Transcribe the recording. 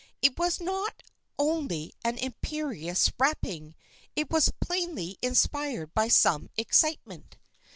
It was not only an imperious rapping; it was plainly inspired by some excitement.